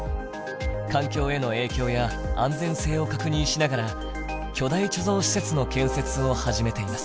環境への影響や安全性を確認しながら巨大貯蔵施設の建設を始めています。